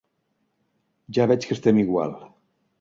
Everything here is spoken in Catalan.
Ja veig que estem igual.